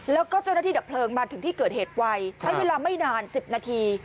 แล้วก็เจ้าหน้าที่ดับเพลิงมาถึงที่เกิดเหตุไวใช้เวลาไม่นาน๑๐นาที